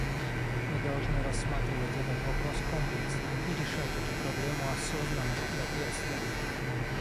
Мы должны рассматривать этот вопрос комплексно и решать эту проблему осознанно и ответственно.